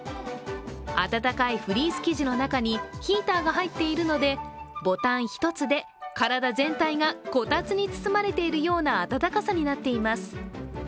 暖かいフリース生地の中にヒーターが入っているのでボタン１つで体全体がこたつに包まれているような暖かさになっています。